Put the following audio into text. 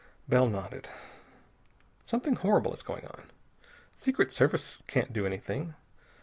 Bell nodded. "Something horrible is going on. Secret Service can't do anything.